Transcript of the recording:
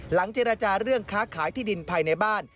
เจรจาเรื่องค้าขายที่ดินภายในบ้าน